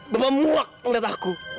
bapak muak melihat aku